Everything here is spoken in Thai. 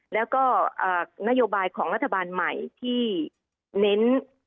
แล้วก็นโยบายของรัฐบาลใหม่ที่เน้น